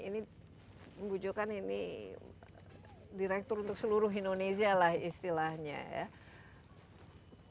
ini bu jo kan ini direktur untuk seluruh indonesia lah istilahnya ya